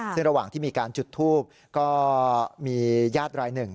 ซึ่งระหว่างที่มีการจุดทูบก็มีญาติรายหนึ่ง